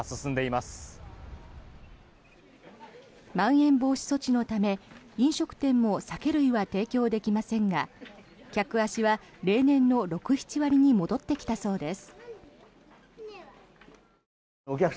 まん延防止措置のため飲食店も酒類は提供できませんが客足は例年の６７割に戻ってきたそうです。